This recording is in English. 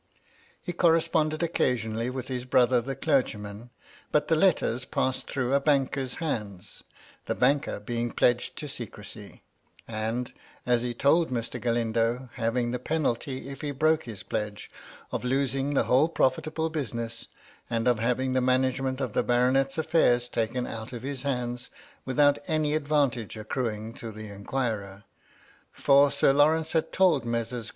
He corresponded occasionally with his brother the clergyman ; but the letters passed through a banker's hands; the banker being pledged to secrecy, and, as he told Mr. Galindo, baying the penalty, if he broke his pledge, of losing the whole profitable business, and of having the manage ment of the baronet's affairs taken out of his hands' without any advantage accruing to the inquirer, for Sir Lawrence had told Messrs.